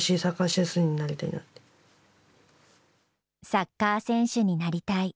サッカー選手になりたい。